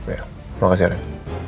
ya terima kasih ren